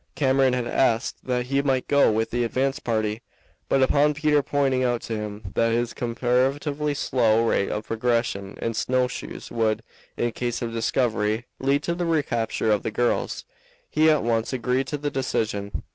Cameron had asked that he might go with the advance party, but upon Peter pointing out to him that his comparatively slow rate of progression in snow shoes would, in case of discovery, lead to the recapture of the girls, he at once agreed to the decision.